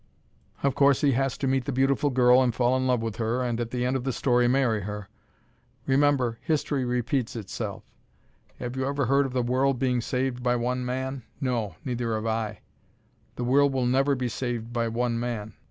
Of course, he has to meet the beautiful girl and fall in love with her, and at the end of the story marry her! Remember, history repeats itself. Have you ever heard of the world being saved by one man? No! Neither have I. The world will never be saved by one man.